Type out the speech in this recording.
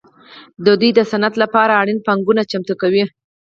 دوی د دې صنعت لپاره اړینه پانګونه چمتو کوي